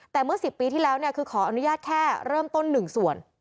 แต่เมื่อ๑๐ปีที่แล้วคือขออนุญาตแค่เริ่มต้น๑ส่วน